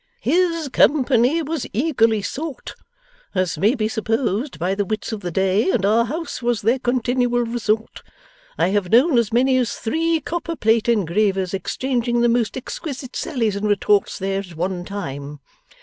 His company was eagerly sought, as may be supposed, by the wits of the day, and our house was their continual resort. I have known as many as three copper plate engravers exchanging the most exquisite sallies and retorts there, at one time.